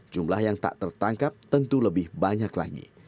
jumlah yang tak tertangkap tentu lebih banyak lagi